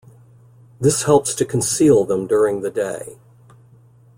This helps to conceal them during the day.